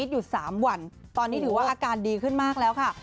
อยู่๓วันตอนนี้ถือว่าอาการดีขึ้นมากแล้วค่ะ